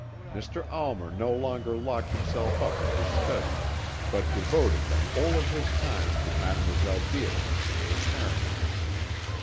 "Mr. Almer no longer locked himself up in his study, but devoted the whole of his time to Mdlle. Beatrice and her parents.